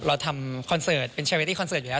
เราทำคอนเสิร์ตเป็นเชเวตี้คอนเสิร์ตอยู่แล้ว